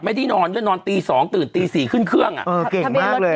ไม่ได้นอนด้วยนอนตี๒ตื่นตี๔ขึ้นเครื่องอ่ะเออเก่งมากเลย